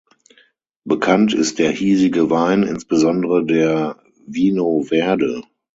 Bekannt ist der hiesige Wein, insbesondere der Vinho Verde.